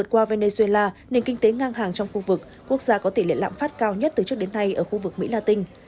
qua venezuela nền kinh tế ngang hàng trong khu vực quốc gia có tỷ lệ lạm phát cao nhất từ trước đến nay ở khu vực mỹ la tinh